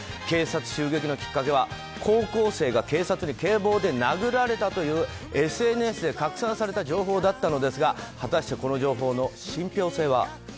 警察襲撃のきっかけは高校生が警察に警棒で殴られたというＳＮＳで拡散された情報だったのですが果たしてこの情報の信ぴょう性は。